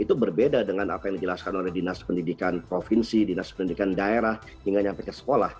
itu berbeda dengan apa yang dijelaskan oleh dinas pendidikan provinsi dinas pendidikan daerah hingga nyampe ke sekolah